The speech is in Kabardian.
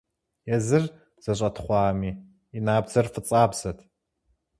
Езыр зэщӀэтхъуами, и набдзэр фӀыцӀабзэт.